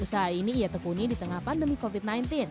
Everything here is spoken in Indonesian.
usaha ini ia tekuni di tengah pandemi covid sembilan belas